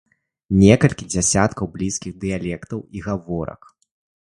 Некалькі дзесяткаў блізкіх дыялектаў і гаворак.